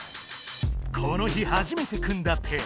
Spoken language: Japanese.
この日はじめて組んだペア。